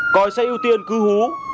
coi xe ưu tiên cứ hú